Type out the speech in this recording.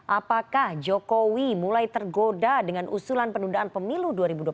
apakah jokowi mulai tergoda dengan usulan penundaan pemilu dua ribu dua puluh empat